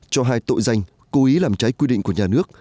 cho hai tội danh cố ý làm trái quy định của nhà nước